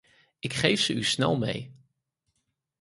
Ik geef ze u snel mee.